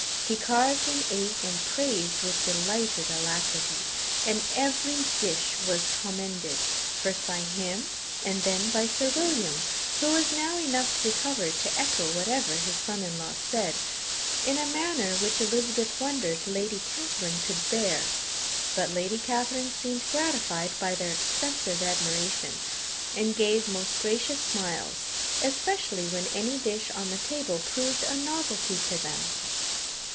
He carved and ate and praised with delighted alacrity; and every dish was commended first by him, and then by Sir William, who was now enough recovered to echo whatever his son in law said, in a manner which Elizabeth wondered Lady Catherine could bear. But Lady Catherine seemed gratified by their excessive admiration, and gave most gracious smiles, especially when any dish on the table proved a novelty to them.